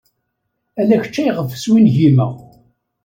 Ala kečč ayɣef swingimeɣ.